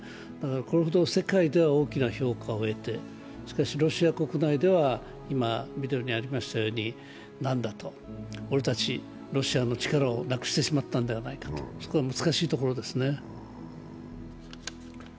これほど世界では大きな評価を得て、ロシア国内では、なんだと、俺たちロシアの力をなくしてしまったんじゃないかと、そこは難しいところですね。